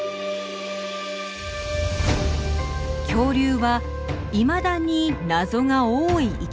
恐竜はいまだに謎が多い生き物です。